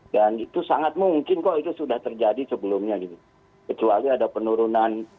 dan itu sangat mungkin kok itu sudah terjadi sebelumnya gitu kecuali ada penurunan